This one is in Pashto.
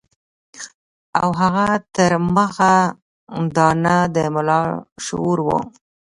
او هغه تر مخه دانه د ملا شعر وو.